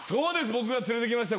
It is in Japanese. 僕が連れてきました